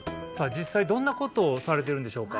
実際どんなことをされてるんでしょうか？